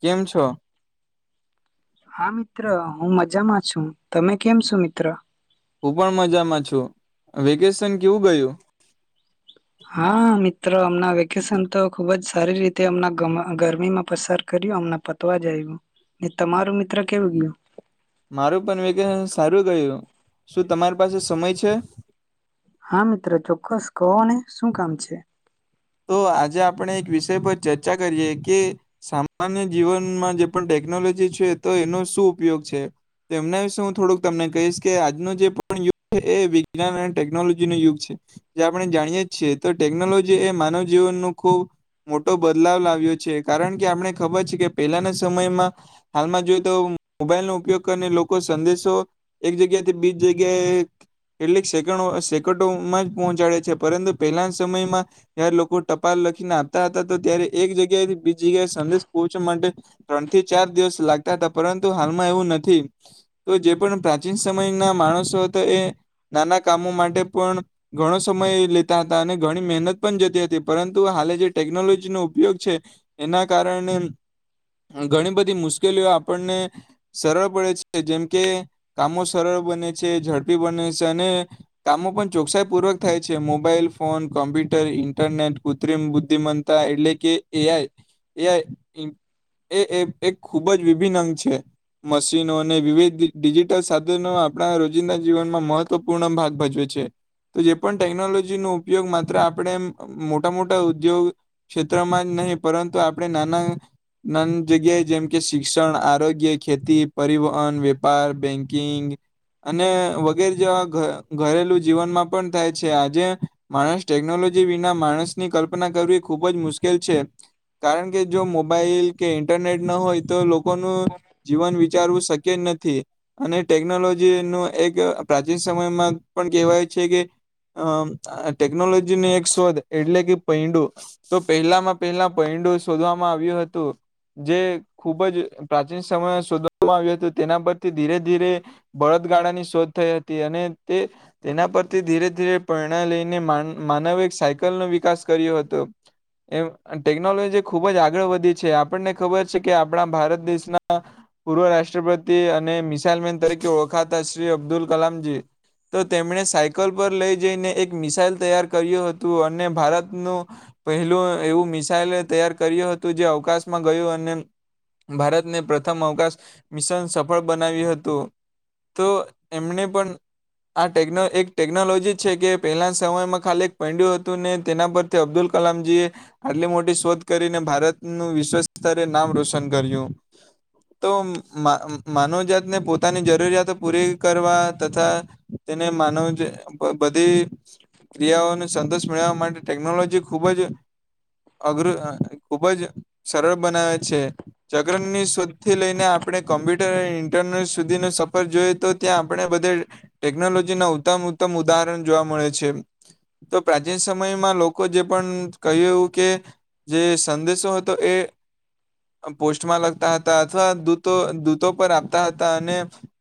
કેમ છો? હા મિત્ર હું મજામાં છું. તમે કેમ છો મિત્ર? હું પણ મજામાં છું. આ વેકેશન કેવું ગયું? હા મિત્ર અમના વેકેશન તો ખુબ જ સારી રીતે ગમ ગરમીમાં પસાર કર્યું. અમ પ તો જ આવ્યું. ને તમારું મિત્ર કેવું ગયું? મારું પણ વેકેશન સારું ગયું. શું તમારી પાસે સમય છે? હા મિત્ર ચોક્કસ, કહો ને શું કામ છે? તો આજે આપણે એક વિષય પર ચર્ચા કરીએ કે સામાન્ય જીવનમાં જે પણ ટેકનોલોજી છે તો એનો શું ઉપયોગ છે? તેમના વિશે હું થોડુંક તમને કહીશ કે આજનું જે પણ યુગ છે, એ વિજ્ઞાન અને ટેકનોલોજી ન યુગ છે. જે આપણે જાણીયે છીએ તો ટેકનોલોજી એ માનવ જીવન નું ખૂબ મોટો બદલાવ લાવ્યો છે કારણ કે, આપણે ખબર છે કે પહેલાના સમયમાં હાલમાં જોઈએ તો મોબાઈલ નો ઉપયોગ કરીને લોકો સંદેશો એક જગ્યાથી બીજ જગ્યાએ કેટલીક સેંકડો સેકટોમાં જ પહોંચાડે છે. પરંતુ, પહેલા સમયમાં ત્યારે લોકો ટપાલ લખીને આપતા હતા તો, ત્યારે એક જગ્યાએ થી બીજી જગ્યાએ સંદેશ પહોંચવા માટે ત્રણ થી ચાર દિવસ લાગતા હતા પરંતુ હાલમાં એવું નથી. તો જે પણ પ્રાચીન સમયના માણસો હતો એ નાના કામો માટે પણ ઘણો સમય લેતા હતા અને ઘણી મહેનત જતી હતી પરંતુ હા જે ટેકનોલોજીનો ઉપયોગ છે એના કારણે ઘણી બધી મુશ્કેલીઓ આપણને સરળ પડે છે જેમ કે કામો સરળ બને છે ઝડપી બને છે અને કામો પણ ચોકસાઈ પૂર્વક થાય છે, મોબાઈલ ફોન કોમ્પ્યુટર. ઇન્ટરનેટ, કૃત્રિમ બુદ્ધિમત્તા એટલે કે એઆઈ એ એપ એક ખૂબ જ વિભિન્ન અંગ છે. મશીનો અને વિવિધ ડિજિટલ સાધનો આપણા રોજિંદા જીવનમાં મહત્વપૂર્ણ ભાગ ભજવે છે. તો જે પણ ટેકનોલોજી નો ઉપયોગ માત્ર આપ આપણે મોટા મોટા ઉદ્યોગ, ક્ષેત્રમાં જ નહીં પરંતુ આપણે નાના નાન જગ્યાએ જેમ કે શિક્ષણ, આરોગ્ય, ખેતી, પરિવહન, વેપાર, બેંકિંગ, અને વગેરે જેવા ઘ ઘરેલું જીવનમાં પણ થાય છે આજે માણસ ટેકનોલોજી વિના માણસની કલ્પના કરવી ખૂબ જ મુશ્કેલ છે. કારણ કે જો મોબાઈલ કે ઇન્ટરનેટ ના હોય તો લો કોનું, જીવન વિચારવું શક્ય નથી. અને ટેકનોલોજી નો એક પ્રાચીન સમયમાં પણ કહેવાય છે કે અ ટેકનોલોજી ને એક શોધ એટલે કે પૈંડું તો પહેલામાં પહેલા પૈંડું શોધવામાં આવ્યું હતું. જે ખૂબ જ પ્રાચીન સમયમાં શોધવામાં આવ્યું હતું તેના પરથી ધીરે ધીરે બળદ ગાડાની શોધ થઈ હતી અને તે તેના પરથી ધીરે ધીરે પરણા લઈને માન માનવ એક સાયકલનો વિકાસ કર્યો હતો. એમ ટેકનોલોજી ખુબ જ આગળ વધી છે આપણને ખબર છે, કે આપણા ભારત દેશના પૂર્વ રાષ્ટ્રપતિ અને મિસાાઈલ મેન તરીકે ઓળખાતા શ્રી અબ્દુલ કલામજી તો તેમણે સાયકલ પર લઈ જઈને એક મિસાઇલ તૈયાર કર્યું હતું અને ભારતનું પહેલું એવું મિસાઇલ તૈયાર કર્યું હતું જે અવકાશમાં ગયુ અને ભારતને પ્રથમ અવકાશ મિશન સફળ બનાવ્યું હતુ. તો એમને પણ આ ટેકનો એક ટેકનોલોજી છે કે પહેલા સમયમાં ખાલી પંડ્યું હતું ને તેના પરથી અબ્દુલ કલામજીએ. આટલી મોટી શોધ કરીને ભારતનું વિશ્વસ્તરે નામ રોશન કર્યુ તો મા માનવજાતને પોતાની જરૂરિયાતો પૂરી કરવા તથા તેને માનવ જ બ બધી ક્રિયાઓને સંતેશ મેળવવા માટે ટેકનોલોજી ખૂબ જ અઘરું ખૂબ જ સરળ બનાવે છે. ચગ્રન ની શોધથી લઈને આપણે કોમ્પ્યુટર ઇન્ટરનેટ સુધીનો સફર જોઈએ તો ત્યાં આપણે બધે ટેકનોલોજી ના ઉત્તમ ઉત્તમ ઉદાહરણ જોવા મળે છે. તો પ્રાચીન સમયમાં લોકો જે પણ કહુ કે જે સંદેશો હતો એ પોસ્ટમાં લગતા હતા અથવા દૂતો દૂતો પર આપતા હતા અને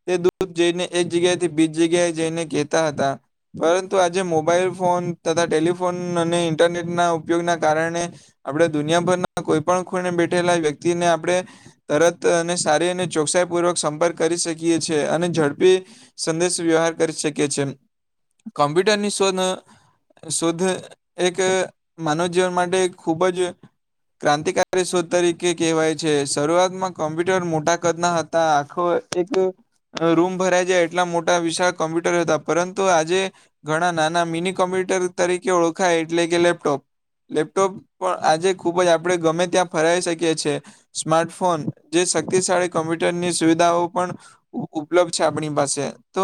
તે દૂધ જઈને એક જગ્યાથી બીજી જગ્યાએ જઈને કહેતા હતા પરંતુ આજે મોબાઈલ ફોન તથા ટેલિફોન અને ઇન્ટરનેટ ના ઉપયોગના કારણે આપણેે દુનિયાભરના કોઈ પણ ખૂણે બેઠેલા વ્યક્તિને આપણેે તરતને સારી અને ચોકસાઈ પૂર્વક સંપર્ક કરી શકીએ છી અને ઝડપી સંદેશ વ્યવહાર કરી શકીએ છીએ, કોમ્પ્યુટરની શો શુદધ એક માનવ જીવન માટે ખૂબ જ ક્રાંતિકારી શોધ તરીકે કહેવાય છે શરૂઆતમાં કોમ્પ્યુટર મોટા કદના હતા, આખો એક રૂમ ભરાઈ જાય એટલા મોટા વિશાળ કોમ્પ્યુટર હતા પરંતુ આજે ઘણા નાના મિની કમ્પ્યુટર તરીકે ઓળખાય એટલે કે લેપટોપ લેપટોપ પણ આજે ખૂબ જ આપણે ગમે ત્યાં ફરાવી શકીએ છીએ. સ્માર્ટફોન જે શક્તિશાળી કમ્પ્યુટરની સુવિધાઓ પણ ઉ ઉપલબ્ધ છે આપણી પાસે તો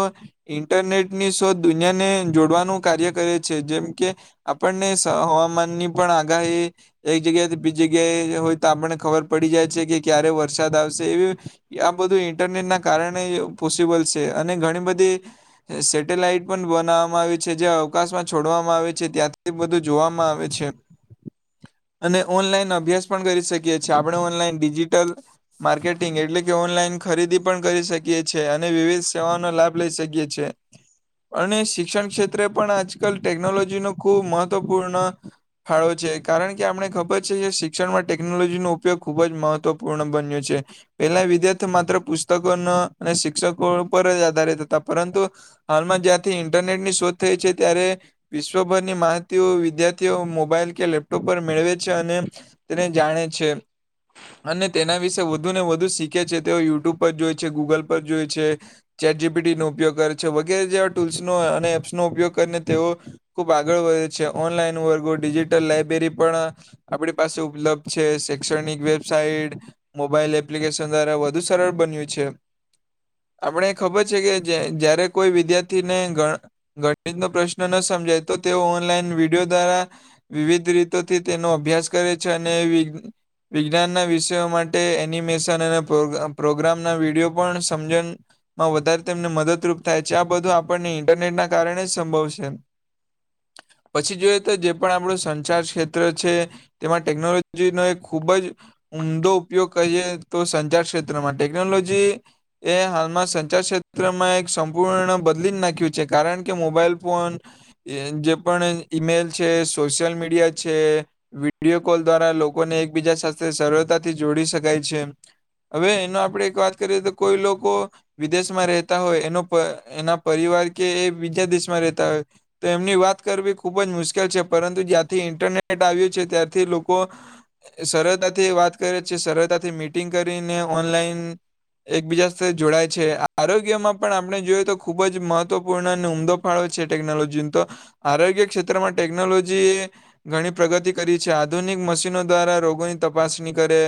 ઈન્ટરનેટ ની શોધ દુનિયાને જોડવાનું કાર્ય કરે છે, જેમ કે આપણને સ હવામાન ની પણ આગાહી એક જગ્યાથી બીજી જગ્યાએ હોય તો આપને ખબર પડી જાય છે કે ક્યારે વરસાદ આવશે એવી આ બધું ઇન્ટરનેટના કારણે પોસિબલ છે અને ઘણી બધી સેટેલાઈટ પણ બનાવવામાં આવી છે, જે અવકાશમાં છોડવામાં આવે છે, ત્યાંથી બધું જોવામાં આવે છે. અને ઓનલાઈન અભ્યાસ પણ કરી શકીએ છીએ આપણે ઓનલાઈન ડિજિટલ માર્કેટિંગ એટલે કે ઓનલાઈન ખરીદી પણ કરી શકીએ છીએ અને વિવિધ સેવાઓનો લાભ લઈ શકીએ છીએ અને શિક્ષણ ક્ષેત્રે પણ આજકાલ ટેકનોલોજી નો ખુબ મહત્વપૂર્ણ ફાળવે છે કારણ કે આપણે ખબર છે, કે શિક્ષણમાં ટેકનોલોજીનો ઉપયોગ ખૂબ જ મહત્વપૂર્ણ બન્યો છે. પેલા વિદ્યાર્થી માત્ર પુસ્તકો અને શિક્ષકો પર જ આધારિત હતા પરંતુ હાલમાં જ્યાારથી ઇન્ટરનેટની શોધ થઈ છે, ત્યારે વિશ્વભરની માહિતી વિદ્યાર્થીઓ મોબાઈલ કે લેપટોપ પર મેળવે છે અને તેને જાણે છે. અને તેના વિશે વધુ ને વધુ શીખે છે તેઓ યુટ્યુબ પર જોય છે ગૂગલ પર જોય છે. ચેટ જીપીટી નો ઉપયોગ કરે છે વગેરે જેવા ટૂલ્સનો અને એપ્સનોો ઉપયોગ કરીને તેઓ ખુબ આગળ વધે છે, ઓનલાઈન વર્ગો ડિજિટલ લાયબ્રેરી પણ આપણી પાસે ઉપલબ્ધ છે શૈક્ષણિક વેબસાઇટ મોબાઈલ એપ્લિકેશન દ્વારા વધુ સરળ બન્યું છે. આપણે ખબર છે, કે જય્ જ્યારે કોઈ વિદ્યાર્થીને ગણ ગણિત નો પ્રશ્ન ન સમજાય તો તેઓ ઓનલાઈન વિડીયો દ્વારા વિવિધ રીતોથી તેનો અભ્યાસ કરે છે અને વિજ્ઞાનના વિષયો માટે એનિમેશન અને પ્રો પ્રોગ્રામના વિડીયો પણ સમજણ માં વધારે તેમને મદદરૂપ થાય છે આ બધું આપણને ઇન્ટરનેટના કારણે જ સંભવ છે. પછી જોઈએ તો જે પણ આપણું સંચાર ક્ષેત્ર છે. તેમાં ટેકનોલોજી નો એક ખૂબ જ ઉમદો ઉપયોગ કરીએ તો સંચાર ક્ષેત્રમાં ટેકનોલોજી એ હાલમાં સંચાર ક્ષેત્રમાં એક સંપૂર્ણ બદલી નાખ્યું છે. કારણ કે મોબાઈલ ફોન એ જે પણ ઈમેલ છે, સોશિયલ મીડિયા છે, વિડીયો કોલ દ્વારા લોકોને એકબીજા સાથે સરળતાથી જોડી શકાય છે. હવે એનો આપડે એક વાત કરીએ તો કોઈ લોકો વિદેશમાં રહેતા હોય એનો પ એના પરિવાર કે એ બીજા દેશમાં રહેતા હોય તો એમની વાત કરવી ખૂબ જ મુશ્કેલ છે પરંતુ જ્યારથી ઇન્ટરનેટ આવ્યું છે ત્યારથી લોકો સરળતાથી વાત કરે છે સરળતાથી મીટિંગ કરીને ઓનલાઈન એકબીજા સાથે જોડાય છે આરોગ્યમાં પણ આપણે જોઈએ તો ખુબ જ મહ ત્વ પૂર્ણ અને ઉમદો ફાળો છે ટેકનોલોજી તો આરોગ્ય ક્ષેત્રમાં ટેકનોલોજી એ ઘણી પ્રગતિ કરી છે આધુનિક મશીનો દ્વારા રોગોની તપાસણી કરે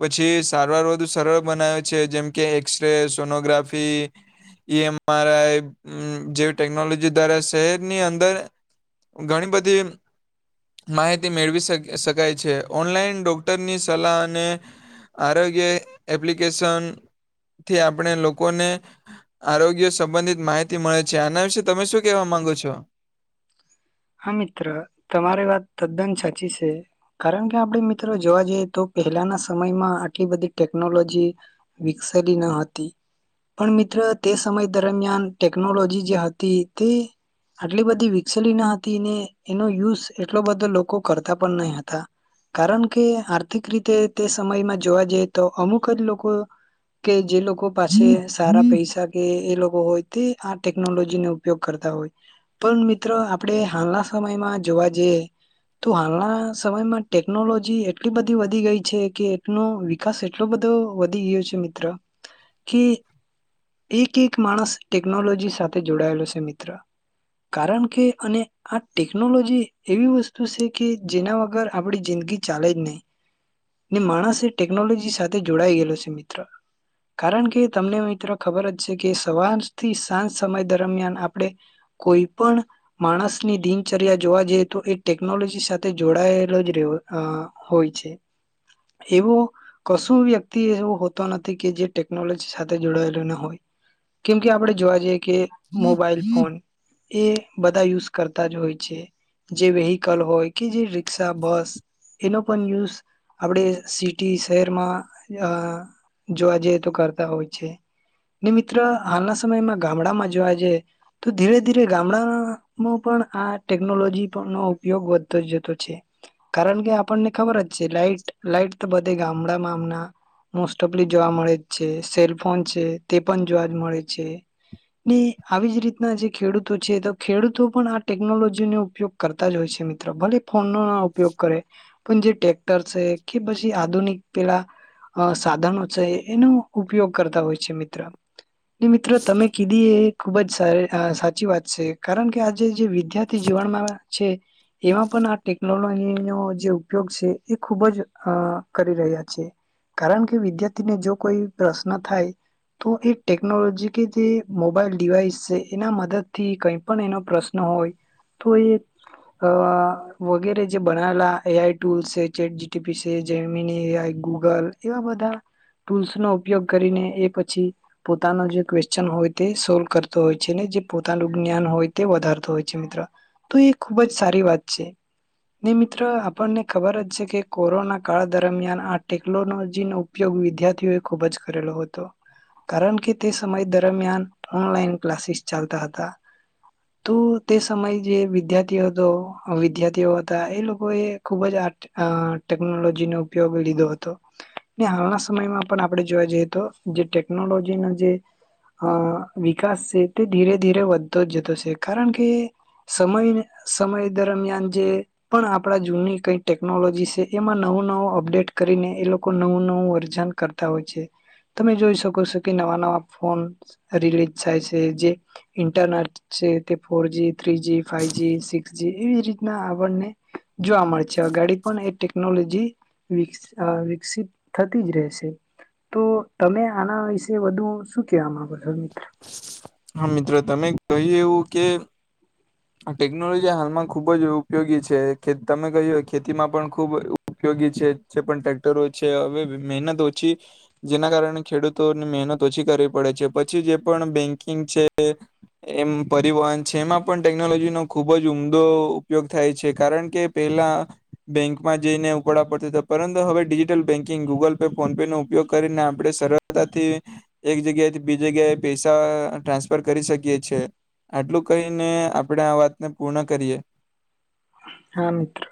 પછી સારવાર વધુ સરળ બનાવે છે જેમકે એક્સરે, સોનોગ્રાફી, એ એમ આર આઈ જેવી ટેકનોલોજી દ્વારા શહેરની અંદર ઘણી બધી માહિતી મેળવી શ શકાય છે ઓનલાઈન ડોક્ટરની સલાહ અને આરોગ્ય એપ્લિકેશન થી આપણે લોકોને આરોગ્ય સંબંધિત માહિ તી મળે છે આના વિશે તમે શું કેવા માંગો છો? હા મિત્ર તમારી વાત તદ્દન સાચી છે. કારણ કે આપણે મિત્રો જોવા જઈએ તો પહેલાના સમયમાં આટલી બધી ટેકનોલોજી વિકસેલી ન હતી પણ મિત્ર તે સમય દરમિયાન ટેકનોલોજી જે હતી તે આટલી બધી વિકસેલી ન હતી ને એનો યુઝ એટલો બધો લોકો કરતા પણ નહી હતા કારણ કે આર્થિક રીતે તે સમયમાં જોવા જઈ તો અમુક જ લોકો કે જે લોકો પાસે સારા પૈસા કે એ લોકો હોય તે આ ટેકનોલોજી નો ઉપયોગ કરતા હોય પણ મિત્ર આપડે હાલના સમયમાં જોવા જઈએ તો હાલના સમયમાં ટેકનોલોજી એટલી બધી વધી ગઈ છે કે એકનો વિકાસ એટલો બધો વધી ગયો છે મિત્ર કે એક એક માણસ ટેકનોલોજી સાથે જોડાયેલો છે મિત્ર કારણ કે અને આ ટેકનોલોજી એવી વસ્તુ છે કે જેના વગર આપણી જિંદગી ચાલે જ નહી ને માણસ એ ટેકનોલોજી સાથે જોડાઈ ગયેલો છે, મિત્ર. કારણ કે તમને મિત્રો ખબર જ છે કે સવારથી સાંજ સમય દરમિયાન આપણે કોઈ પણ માણસની દિનચર્યા જોવા જઈએ તો એ ટેકનોલોજી સાથે જોડાયેલો જ રહો અ હોય છે એવો કશું વ્યક્તિ એવું હોતો નથી કે જે ટેકનોલોજી સાથે જોડાયેલ ના હોય કેમ કે આપણે જોવા જઈએ કે મોબાઈલ ફોન એ બધા યુઝ કરતા જ હોય છે જે વેહિકલ હોય કે જે રિક્ષા, બસ, એનો પણ યુઝ આપણે સિટી શહેરમાં અ જોવા જઈએ તો કરતા હોય છે. ને મિત્ર હાલના સમયમાં ગામડામાં જોવા જઈએ તો ધીરે ધીરે ગામડામાં માં પણ આ ટેકનોલોજી નો ઉપયોગ વધતો જતો છે. કારણ કે આપણને ખબર જ લાઈટ લાઈટ તો બધે ગામડામાં મોસ્ટ ઓફલી જોવા મળે જ છે સેલ્ફ ફોન છે તે પણ જોવાજ મળે છે ને આવી જ રીતના જે ખેડૂતો છે તો ખેડૂતો પણ આ ટેકનોલોજી નો ઉપયોગ કરતા જ હોય છે મિત્રો ભલે ફોનનો ના ઉપયોગ કરે. પણ જે ટેક્ટર છે કે પછી આધુનિક પેલા અ સાધનો છે એનો ઉપયોગ કરતા હોય છે મિત્ર. ને મિત્રો તમે કીધી એ ખુબ જ સાર સાચી વાત છે. કારણ કે આજે જે વિદ્યાર્થી જીવનમાં છે. એમાં પણ આ ટેકનોલોજીનો જે ઉપયોગ છે એ ખૂબ જ અ કરી રહ્યા છે. કારણ કે વિદ્યાર્થીને જો કોઈ પ્રશ્ન થાય. તો એ ટેકનોલોજી કે જે મોબાઈલ ડીવાઈસ છે એના મદદ થી કંઈ પણ એનો પ્રશ્ન હોય તો એ અ વગેરે જે બનાવેલા એ આઈ ટુલ્ છે ચેટ જીટીપી છે જેમીની એ આઈ ગુગલ એવા બધા ટૂલ્સ નો ઉપયોગ કરીને એ પછી પોતાનો જે ક્વેશ્ચન હોય તે સોલ્વ કરતો હોય છે ને જે પોતાનું જ્ઞાન હોય તે વધારતો હોય છે મિત્રો તો એ ખુબ જ સારી વાત છે. ને મિત્ર આપણને ખબર જ છે કે કોરોના કાળ દરમિયાન આ ટેકનોલોજીનો ઉપયોગ વિદ્યાર્થીઓ એ ખુબ જ કરેલો હતો. કારણ કે તે સમય દરમિયાન ઓનલાઈન ક્લાસીસ ચાલતા હતા. તો તે સમયે જે વિદ્યાર્થી હતો વિદ્યાર્થીઓ હતા એ લોકો એ ખુબ જ આ અ ટેકનોલોજી નો ઉપયોગ લીધો હતો. હાલના સમયમાં પણ આપણે જોવા જઈએ તો જે ટેકનોલોજીના જે અ વિકાસ છે તે ધીરે ધીરે વધતો જ જતો છે કારણ કે સમય સમય દરમિયાન જે પણ આપણા જૂની કઈ ટેકનોલોજી છે એમાં નવું નવું અપડેટ કરીને એ લોકો નવું નવું વર્જન કરતા તા હોય છે. તમે જોઈ શકો છો કે નવા નવા ફોન રિલીઝ થાય છે જે ઇન્ટરનેટ છે તે four G three G five G six G એવી જ રીતના આપડને. જોવા મળે છે ગાડી પણ એ ટેકનોલોજી વિક અ વિકસિત થતી જ રહેશે. તો તમે આના વિશે વધુ શું કેવા માંગો છો મિત્ર હા મિત્ર તમે કહી એવું કે ટેકનોલોજી હાલમાં ખુબ જ ઉપયોગી છે તમે કહ્યું ખેતીમાં પણ ખૂબ ઉપયોગી છે જે પણ ટ્રેક્ટરો છે હવે મહેનત ઓછી જેના કારણે ખેડૂતોની મહેનત ઓછી કરવી પડે છે પછી જે પણ બેંકિંગ છે. એમ પરિવહન છે એમાં પણ ટેકનોલોજીનો ખૂબ જ ઉમદો ઉપયોગ થાય છે કારણ કે પેલા બેન્કમાં જઈને ઉપાડા પડત હતા પરંતુ હવે digital banking Google pay phone pay નો ઉપયોગ કરીને આપણે સરસ તાથી એક જગ્યાએથી બી જગ્યાએ પૈસા ટ્રાન્સફર કરી શકીએ છે. આટલું કહીને આપણેે આ વાતને પૂર્ણ કરીએ. હા મિત્ર.